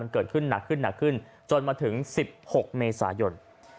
เกิดขึ้นหนักขึ้นจนมาถึง๑๖เมษายน